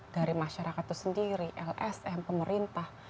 dari masyarakat itu sendiri lsm pemerintah